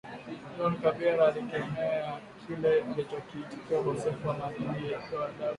John Kabera alikemea kile alichokiita ukosefu wa maadili na adabu miongoni mwa vijana